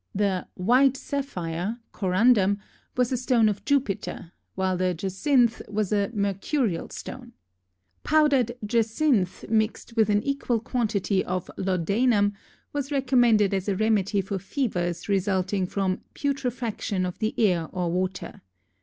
The "white sapphire" (corundum) was a stone of Jupiter, while the jacinth was a mercurial stone. Powdered jacinth mixed with an equal quantity of laudanum was recommended as a remedy for fevers resulting from "putrefaction of the air or water."